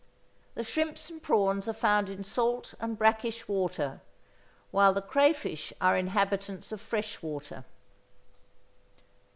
The shrimps and prawns are found in salt and brackish water, while the crayfish are inhabitants of fresh water.